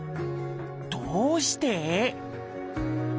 どうして？